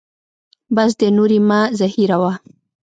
بس دی نور یې مه زهیروه.